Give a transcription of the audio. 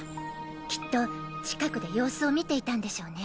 きっと近くで様子を見ていたんでしょうね。